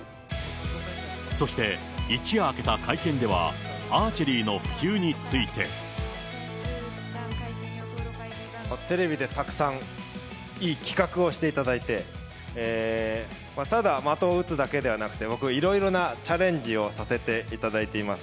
そして、一夜明けた会見では、アーチェリーの普及について。テレビでたくさんいい企画をしていただいて、ただ、的を撃つだけではなくて、僕、いろいろなチャレンジをさせていただいています。